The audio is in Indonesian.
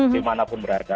di manapun berada